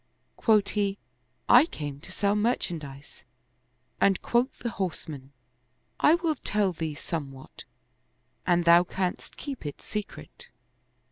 Quoth he, " I came to sell merchandise "; and quoth the horseman, " I will tell thee somewhat, an thou canst keep it secret."